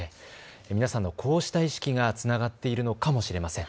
皆さんのこうした意識がつながっているのかもしれません。